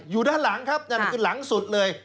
อยู่ด้านหลังครับนั่นคือหลังสุดเลย